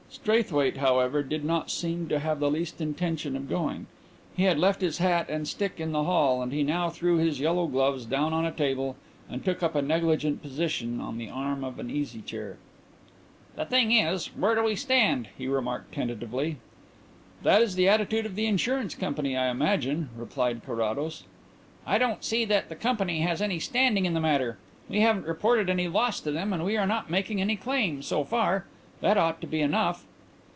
Straithwaite, however, did not seem to have the least intention of going. He had left his hat and stick in the hall and he now threw his yellow gloves down on a table and took up a negligent position on the arm of an easy chair. "The thing is, where do we stand?" he remarked tentatively. "That is the attitude of the insurance company, I imagine," replied Carrados. "I don't see that the company has any standing in the matter. We haven't reported any loss to them and we are not making any claim, so far. That ought to be enough."